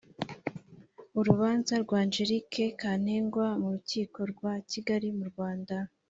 Urubanza rwa Angelique Kantengwa m'urukiko rwa Kigali mu Rwanda.